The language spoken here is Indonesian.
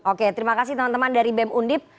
oke terima kasih teman teman dari bem undip